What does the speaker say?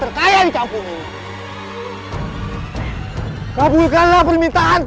apa yang kau melakukan sama ais kak